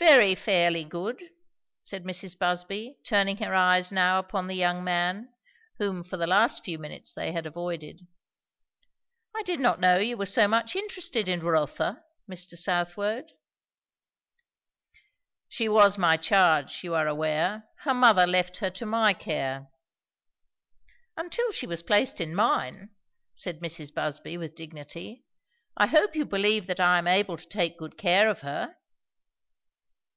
"Very fairly good," said Mrs. Busby, turning her eyes now upon the young man, whom for the last few minutes they had avoided. "I did not know you were so much interested in Rotha, Mr. Southwode." "She was my charge, you are aware. Her mother left her to my care." "Until she was placed in mine," said Mrs. Busby with dignity. "I hope you believe that I am able to take good care of her?"